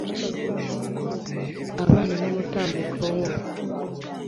Abaza n umutambiko wo